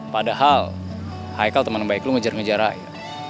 padahal haikal temen baik lo ngejar ngejar raya